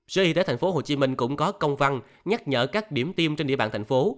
sở y tế thành phố hồ chí minh cũng có công văn nhắc nhở các điểm tiêm trên địa bàn thành phố